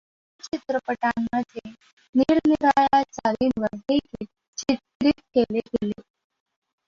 काही चित्रपटांमध्ये निरनिराळ्या चालींवर हे गीत चित्रित केले गेले.